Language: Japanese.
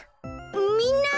みんな！